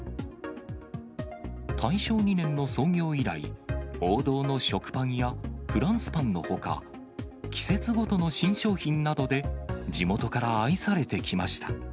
大正２年の創業以来、王道の食パンやフランスパンのほか、季節ごとの新商品などで地元から愛されてきました。